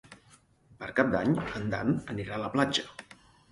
Per Cap d'Any en Dan anirà a la platja.